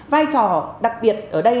vai trò đặc biệt ở đây